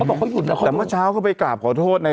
ก็บอกเขาหยุดแล้วเขาแม่เช้าก็ไปกราบขอโทษใน